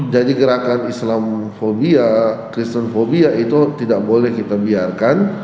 jadi gerakan islamofobia kristenfobia itu tidak boleh kita biarkan